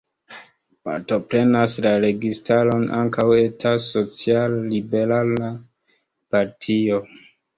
Partoprenas la registaron ankaŭ eta social-liberala partio.